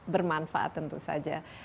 bermanfaat tentu saja